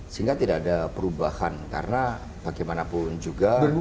sehingga tidak ada perubahan karena bagaimanapun juga